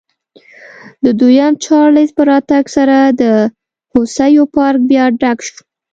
د دویم چارلېز په راتګ سره د هوسیو پارک بیا ډک شو.